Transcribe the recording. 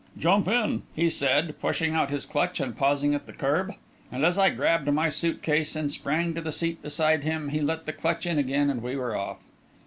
"Jump in," he said, pushing out his clutch and pausing at the curb; and as I grabbed my suit case and sprang to the seat beside him, he let the clutch in again and we were off.